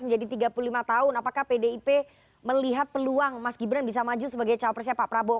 menjadi tiga puluh lima tahun apakah pdip melihat peluang mas gibran bisa maju sebagai cawapresnya pak prabowo